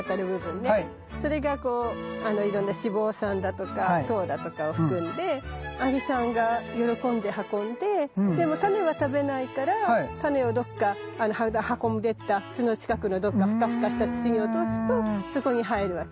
それがこういろんな脂肪酸だとか糖だとかを含んでアリさんが喜んで運んででも種は食べないから種をどっか運んでった巣の近くのどっかフカフカした土に落とすとそこに生えるわけ。